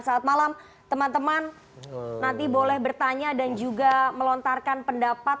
saat malam teman teman nanti boleh bertanya dan juga melontarkan pendapat